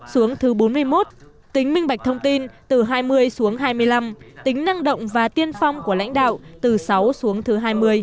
xuống thứ bốn mươi một tính minh bạch thông tin từ hai mươi xuống hai mươi năm tính năng động và tiên phong của lãnh đạo từ sáu xuống thứ hai mươi